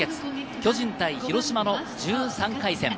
巨人対広島の１３回戦。